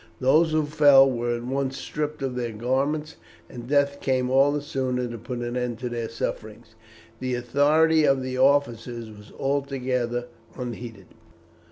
Those who fell were at once stripped of their garments, and death came all the sooner to put an end to their sufferings. The authority of the officers was altogether unheeded.